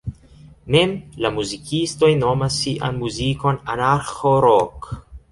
Mem la muzikistoj nomas sian muzikon "anarĥo-rok".